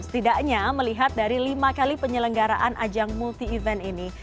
setidaknya melihat dari lima kali penyelenggaraan ajang multi event ini